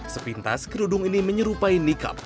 sepintas kerudung ini menyerupai nikab